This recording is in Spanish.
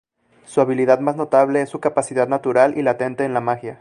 Su habilidad más notable es su capacidad natural y latente en la magia.